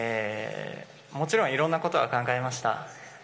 もちろんいろんなことは考えました。